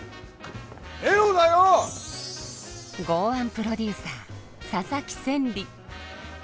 豪腕プロデューサー佐々木千里。